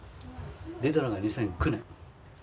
出たのが２００９年。